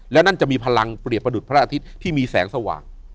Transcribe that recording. และนั่นจะมีพลังเปรียบประดุษพระอาทิตย์ที่มีแสงสว่าง